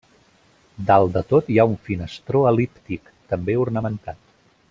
Dalt de tot hi ha un finestró el·líptic, també ornamentat.